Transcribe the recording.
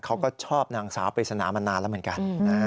เขาก็ชอบนางสาวปริศนามานานแล้วเหมือนกัน